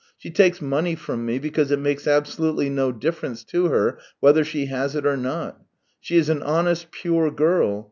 She takes money from me because it makes absolutely no difference to her whether she has it or not. She is an honest, pure girl.